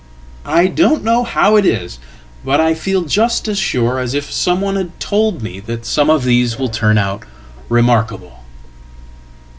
I don't know how it is, but I feel just as sure as if some onehad told me that some of these will turn out remarkable."